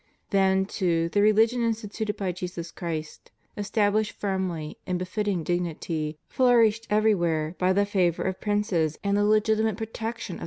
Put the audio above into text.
Then, too, the rehgion instituted by Jesus Christ, estab lished firmly in befitting dignity, flourished everywhere, by the favor of princes and the legitimate protection of • De moribus Eccl.